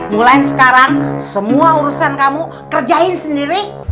mulai sekarang semua urusan kamu kerjain sendiri